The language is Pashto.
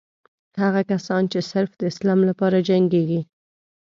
هغه کسان چې صرف د اسلام لپاره جنګېږي.